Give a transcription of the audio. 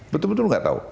betul betul nggak tahu